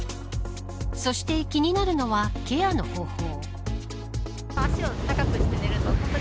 そして、気になるのはケアの方法。